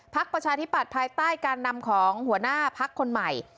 ประชาธิปัตย์ภายใต้การนำของหัวหน้าพักคนใหม่